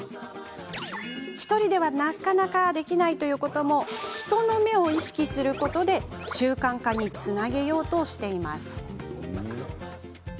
１人ではなかなかできないことも人の目を意識することで習慣化につなげようとしているのです。